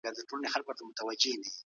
د اصل تابعیت د وجود موادو ته اړتیا لري.